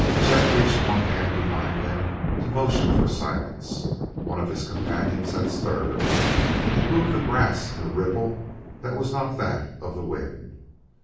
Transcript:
Chet reached one hand behind him to motion for silence; one of his companions had stirred, had moved the grass in a ripple that was not that of the wind.